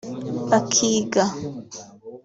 akiga